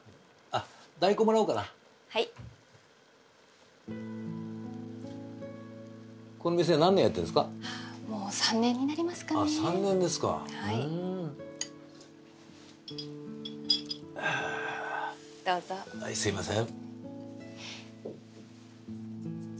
はいすいません。